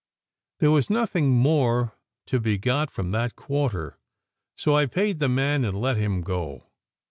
There was nothing more to be got from that quarter, so I paid the man and let him go.